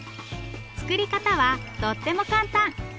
作り方はとっても簡単。